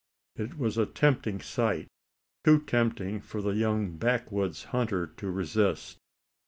It was a tempting sight too tempting for the young backwoods hunter to resist.